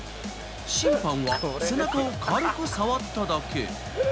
審判は背中を軽く触っただけ。